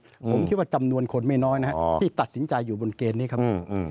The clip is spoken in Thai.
ผมคิดว่าจำนวนคนไม่น้อยนะครับที่ตัดสินใจอยู่บนเกณฑ์นี้ครับ